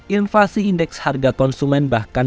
invasi indeks harga konsumen bahkan